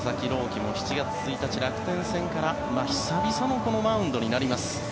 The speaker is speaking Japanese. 希も７月１日、楽天戦から久々のマウンドになります。